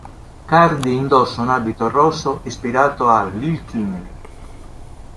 Cardi indossa un abito rosso ispirato a Lil' Kim.